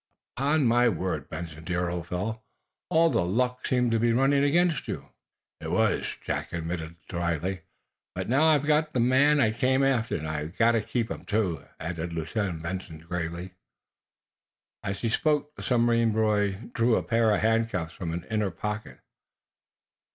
Upon my word, Benson, dear old fellow, all the luck seemed to be running against you." "It was," Jack admitted, dryly. "But now I've got the man I came after. I've got to keep him, too," added Lieutenant Benson, gravely. As he spoke, the submarine boy drew a pair of handcuffs from an inner pocket.